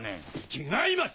違います！